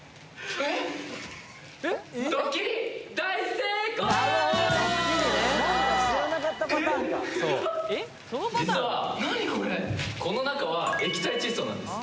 えっ何これ実はこの中は液体窒素なんです